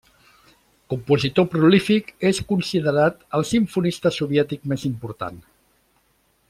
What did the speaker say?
Compositor prolífic, és considerat el simfonista soviètic més important.